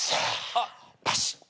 あっパシッ。